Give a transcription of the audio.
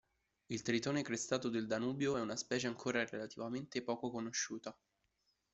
Il tritone crestato del Danubio è una specie ancora relativamente poco conosciuta.